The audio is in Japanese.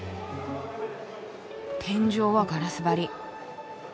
天井はガラス張り。